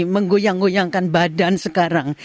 menggoyang goyangkan badan sekarang